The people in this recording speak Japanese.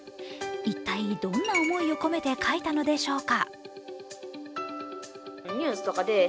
一体どんな思いを込めて書いたのでしょうか。